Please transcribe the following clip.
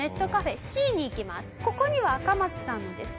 ここにはアカマツさんのですね